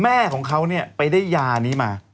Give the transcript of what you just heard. แม่ของเขาเนี่ยไปได้ยานี้มา